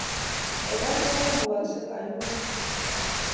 eng' achek ko mugaksei kaimutik tugul